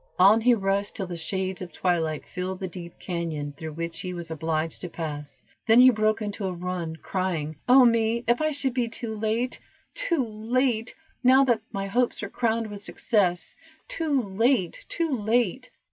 On he rushed till the shades of twilight filled the deep cañon, through which he was obliged to pass, then he broke into a run, crying, "Oh me! if I should be too late! too late! now that my hopes are crowned with success. Too late! too late!"